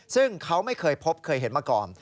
ซึ่งเขาไม่เคยพบเคยเห็นมาก่อน